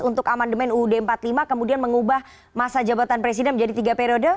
untuk amandemen uud empat puluh lima kemudian mengubah masa jabatan presiden menjadi tiga periode